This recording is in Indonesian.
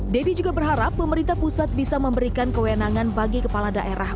deddy juga berharap pemerintah pusat bisa memberikan kewenangan bagi kepala daerah